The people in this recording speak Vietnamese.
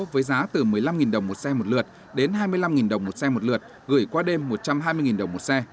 với giá từ một mươi năm đồng một xe một lượt đến hai mươi năm đồng một xe một lượt gửi qua đêm một trăm hai mươi đồng một xe